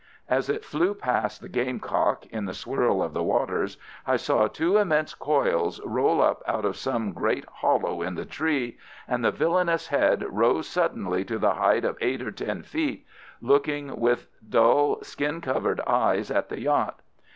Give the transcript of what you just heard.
As it flew past the Gamecock in the swirl of the waters I saw two immense coils roll up out of some great hollow in the tree, and the villainous head rose suddenly to the height of eight or ten feet, looking with dull, skin covered eyes at the yacht.